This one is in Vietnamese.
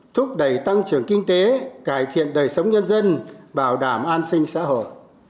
thúc đẩy tăng trưởng kinh tế cải thiện đời sống nhân dân bảo đảm an sinh xã hội